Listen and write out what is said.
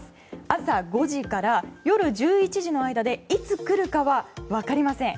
朝５時から夜１１時の間でいつ来るかは分かりません。